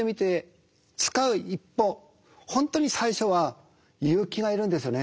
本当に最初は勇気がいるんですよね